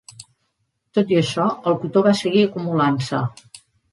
Tot i això, el cotó va seguir acumulant-se.